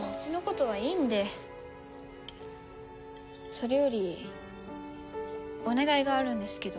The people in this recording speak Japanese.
それよりお願いがあるんですけど。